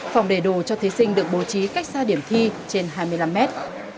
phòng đề đồ cho thí sinh được bố trí cách xa điểm thi trên hai mươi năm mét